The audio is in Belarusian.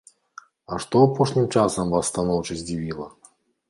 А што апошнім часам вас станоўча здзівіла?